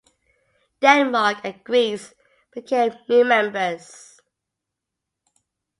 Denmark and Greece became new members.